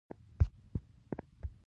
ژمي کې دلته واوره ورېده